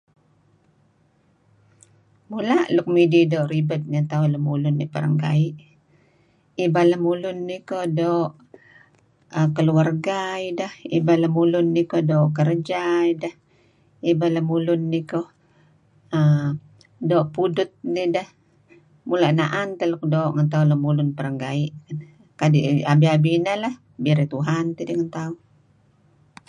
Mula' luk midih luk doo' ribed ngen tauh lemulun perenggaie', ibal lemulun ih koh doo' keluarga ideh doo' kerja ideh, ibal lemulun nih koh err doo' pudut nideh. mula' na'an teh nuk doo' ngen tauh lemulun perenggaie' kadi' abi-abi ineh birey Tuhan tidih ngen tauh.